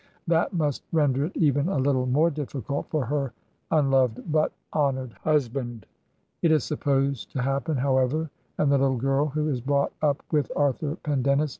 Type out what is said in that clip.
That must render it even a little more difficult for her unloved but honored husband. It is supposed to happen, however, and the little girl who is brought up with Arthur Pendennis like i.